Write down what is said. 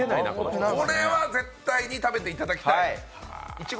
これは絶対に食べていただきたい。